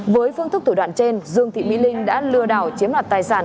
với phương thức thủ đoạn trên dương thị mỹ linh đã lừa đảo chiếm đoạt tài sản